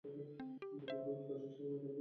প্রশিক্ষণের উৎকর্ষ সাধনই একাডেমির উদ্দেশ্য।